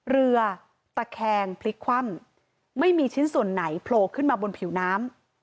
เรือตะแคงพลิกคว่ำไม่มีชิ้นส่วนไหนโผล่ขึ้นมาบนผิวน้ำ